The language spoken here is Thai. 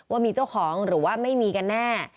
ว่ามีเจ้าของหรือว่าไม่มีกันแน่